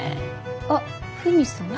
あフミさん？